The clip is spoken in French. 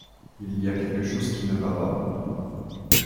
Il y a quelque chose qui ne va pas ?